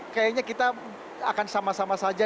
kayaknya kita akan sama sama saja